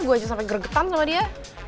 gue aja sampai gregetan sama dia